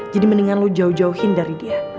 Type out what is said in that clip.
jadi mendingan lu jauh jauhin dari dia